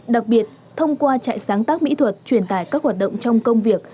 đặc biệt thông qua trại sáng tác mỹ thuật truyền tải các hoạt động trong công việc